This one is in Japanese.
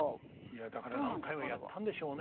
いやだから何回もやったんでしょうね。